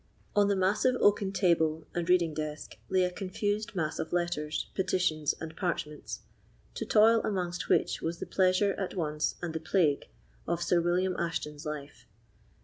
On the massive oaken table and reading desk lay a confused mass of letters, petitions, and parchments; to toil amongst which was the pleasure at once and the plague of Sir William Ashton's life.